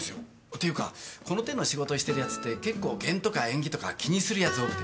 ていうかこの手の仕事してる奴って結構験とか縁起とか気にする奴多くて。